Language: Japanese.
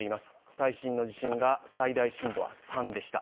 最新の地震が最大震度は３でした。